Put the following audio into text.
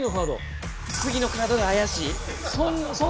次のカードがあやしい？